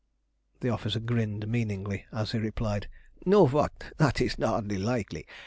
The officer grinned meaningly as he replied "Nu vot! That is hardly likely.